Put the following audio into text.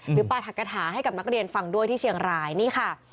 ปราธกฐาให้กับนักเรียนฟังด้วยที่เชียงรายนี่ค่ะ